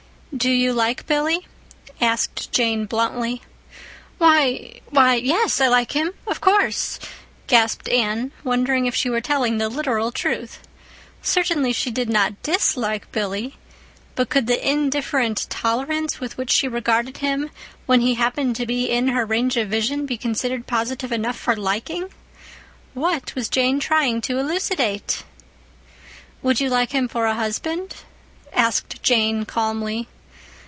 "Do you like Billy?" asked Jane bluntly. "Why—why—yes, I like him, of course," gasped Anne, wondering if she were telling the literal truth. Certainly she did not _dis_like Billy. But could the indifferent tolerance with which she regarded him, when he happened to be in her range of vision, be considered positive enough for liking? What was Jane trying to elucidate? "Would you like him for a husband?" asked Jane calmly.